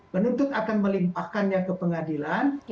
penuntut akan melimpahkannya ke pengadilan